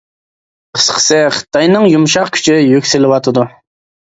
قىسقىسى، خىتاينىڭ يۇمشاق كۈچى يۈكسىلىۋاتىدۇ.